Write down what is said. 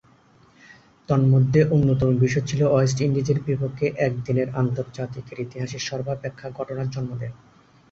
তন্মধ্যে অন্যতম বিষয় ছিল ওয়েস্ট ইন্ডিজের বিপক্ষে একদিনের আন্তর্জাতিকের ইতিহাসে সর্বাপেক্ষা ঘটনার জন্ম দেয়া।